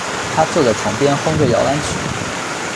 她坐在床边哼着摇篮曲